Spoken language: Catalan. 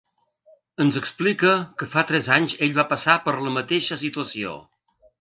Ens explica que fa tres anys ell va passar per la mateixa situació.